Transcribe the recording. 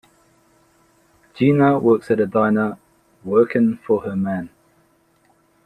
Gina works at a diner, "workin' for her man".